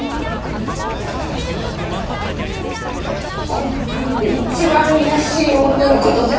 この国で一番卑しい女のことじゃ！